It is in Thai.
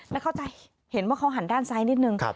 แล้วเข้าใจเห็นว่าเขาหันด้านซ้ายนิดนึง